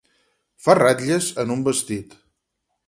Fa ratlles en un vestit.